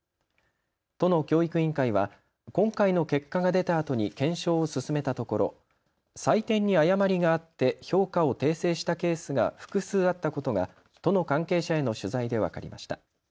都の教育委員会は今回の結果が出たあとに検証を進めたところ採点に誤りがあって評価を訂正したケースが複数あったことが都の関係者への取材で分かりました。